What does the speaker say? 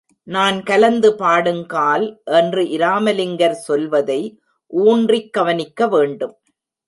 நான் கலந்து பாடுங்கால் என்று இராமலிங்கர் சொல்வதை ஊன்றிக் கவனிக்க வேண்டும்.